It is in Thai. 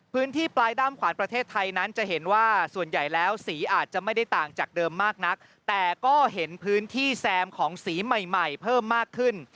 พื้นที่ปลายด้ามขวานประเทศไทยนั้นจะเห็นว่าส่วนใหญ่แล้วสีอาจจะไม่ได้ต่างจากเดิมมากนักแต่ก็เห็นพื้นที่แซมของสีใหม่ใหม่เพิ่มมากขึ้น